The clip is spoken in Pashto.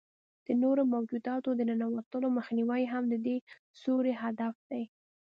د نورو موجوداتو د ننوتلو مخنیوی هم د دې سوري هدف دی.